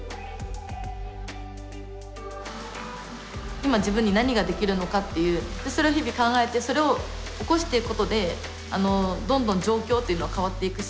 今自分に何ができるのかっていうそれを日々考えてそれを起こしていくことでどんどん状況っていうのは変わっていくし。